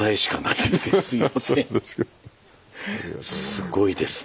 すごいですね。